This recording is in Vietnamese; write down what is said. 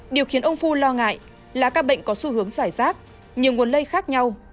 điều khiến ông phu lo ngại là các bệnh có xu hướng giải rác nhiều nguồn lây khác nhau